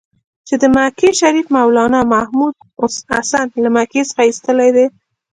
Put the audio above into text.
چې د مکې شریف مولنا محمودحسن له مکې څخه ایستلی دی.